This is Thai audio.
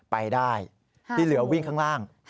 ไปได้ที่เหลือวิ่งข้างล่าง